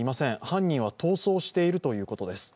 犯人は逃走しているということです。